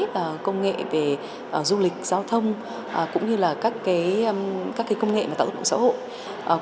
các công nghệ về du lịch giao thông cũng như các công nghệ tạo động xã hội